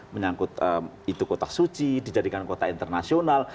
menyangkut itu kota suci dijadikan kota internasional